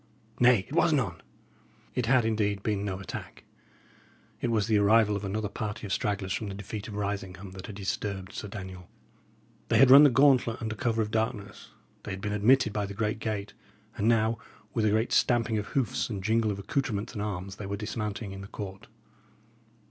Nay, it was none!" It had, indeed, been no attack; it was the arrival of another party of stragglers from the defeat of Risingham that had disturbed Sir Daniel. They had run the gauntlet under cover of the darkness; they had been admitted by the great gate; and now, with a great stamping of hoofs and jingle of accoutrements and arms, they were dismounting in the court.